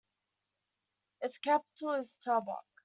Its capital is Tabuk.